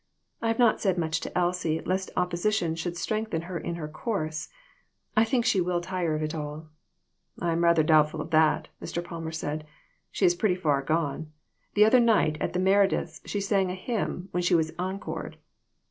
I have not said much to Elsie lest opposition should strengthen her in her course. I think she will tire of it all." "I am rather doubtful of that," Mr. Palmer said ; "she is pretty far gone. The other night at the Merediths she sang a hymn, when she was encored."